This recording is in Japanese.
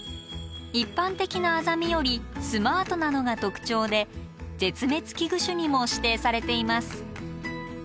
一般的なアザミよりスマートなのが特徴で絶滅危惧種にも指定されています。